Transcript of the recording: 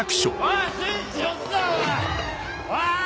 ・おい！